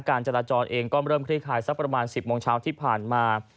การจราจรเองก็เริ่มคลี่คลายสักประมาณ๑๐โมงเช้าที่ผ่านมา